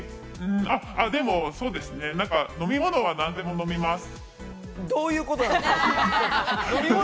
でもそうですね、飲み物は何でも飲みます。